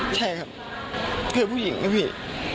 ใช่ครับคือผู้หญิงนะพี่